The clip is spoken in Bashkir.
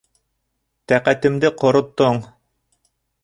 Тәҡәтемде ҡороттоң!